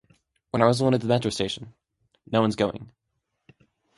When I was alone at the metro station. No one's going.